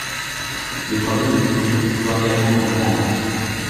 Les travaux ne débuteront toutefois réellement qu'en novembre.